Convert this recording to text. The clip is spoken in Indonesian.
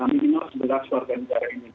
minimal sebelas warga negara ini